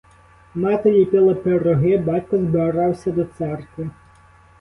Мати ліпила пироги, батько збирався до церкви.